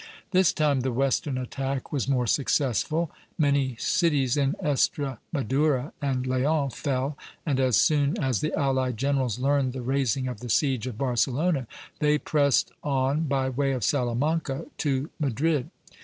This time the western attack was more successful; many cities in Estremadura and Leon fell, and as soon as the allied generals learned the raising of the siege of Barcelona, they pressed on by way of Salamanca to Madrid.